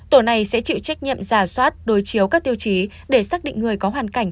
tổ này sẽ chịu trách nhiệm giả soát đối chiếu các tiêu chí để xác định người có hoàn cảnh